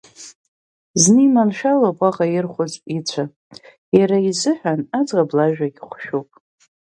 Зны иманшәалоуп уаҟа ирхәыз ицәа Иара изыҳәан аӡӷаб лажәагь хәшәуп.